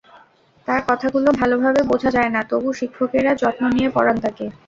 তার কথাগুলো ভালোভাবে বোঝা যায় না, তবু শিক্ষকেরা যত্ন নিয়ে পড়ান তাকে।